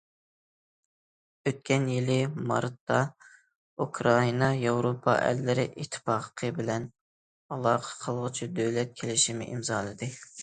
ئۆتكەن يىلى مارتتا، ئۇكرائىنا ياۋروپا ئەللىرى ئىتتىپاقى بىلەن ئالاقە قىلغۇچى دۆلەت كېلىشىمى ئىمزالىدى.